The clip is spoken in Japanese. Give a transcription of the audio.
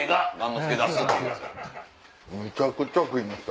めちゃくちゃ食いました。